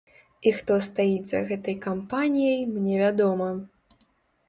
І хто стаіць за гэтай кампаніяй, мне вядома.